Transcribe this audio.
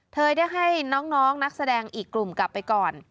เธอได้ให้น้องนักแสดงอีกกลุ่มกลับไปก่อน